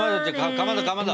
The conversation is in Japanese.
かまどかまど。